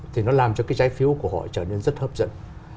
thì nó làm cho cái trái phiếu của họ trở nên rất hấp dẫn